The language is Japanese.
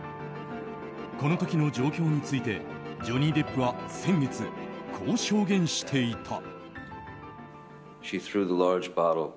この時の状況についてジョニー・デップは先月こう証言していた。